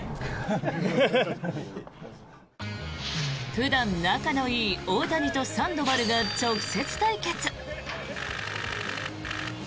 普段、仲のいい大谷とサンドバルが直接対決。